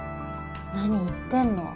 何言ってんの。